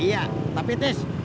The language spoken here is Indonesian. iya tapi tis